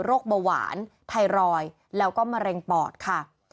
เบาหวานไทรอยด์แล้วก็มะเร็งปอดค่ะ